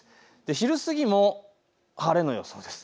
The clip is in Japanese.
昼過ぎも晴れの予想です。